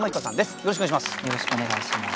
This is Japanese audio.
よろしくお願いします。